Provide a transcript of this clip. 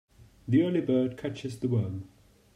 The early bird catches the worm.